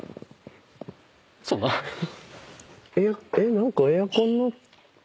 何かエアコンの。